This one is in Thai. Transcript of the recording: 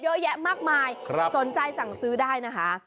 เยอะแยะมากมายสนใจสั่งซื้อได้นะคะ